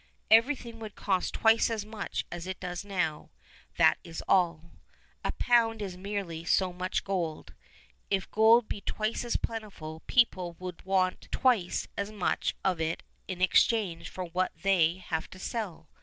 Everything would cost twice as much as it does now; that is all. A pound is merely so much gold. If gold be twice as plentiful people will want twice as much of it in exchange for what they have to sell.